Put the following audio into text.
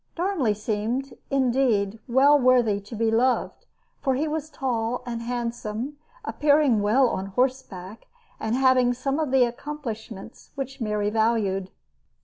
Darnley seemed, indeed, well worthy to be loved, for he was tall and handsome, appearing well on horseback and having some of the accomplishments which Mary valued.